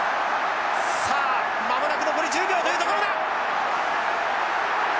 さあ間もなく残り１０秒というところだ。